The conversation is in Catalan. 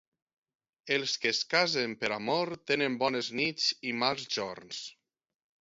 Els que es casen per amor tenen bones nits i mals jorns.